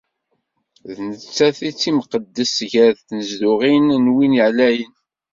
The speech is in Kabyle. D nettat i d timqeddest gar tnezduɣin n Win Ɛlayen.